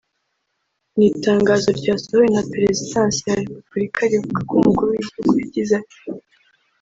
Mu itangazo ryasohowe na Perezidansi ya Repubulika rivuga ko Umukuru w’igihugu yagize ati